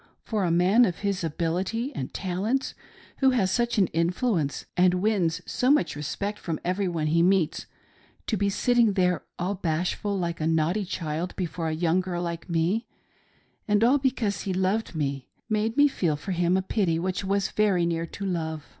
For a man of his ability and talents, who has such an influence, and wins so much respect from every one he meets, to be sitting there all bashful, like a naughty child, before a young girl like me, and all because he loved me, made me feel for him a pity which was very near to love.